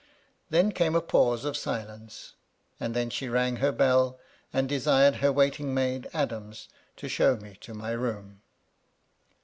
Then came a pause of silence ; and then she rang her bell, and desired her waiting maid, Adams, to show me to my room.